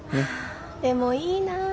でもいいな。